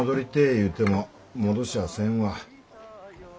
言うても戻しゃあせんわ。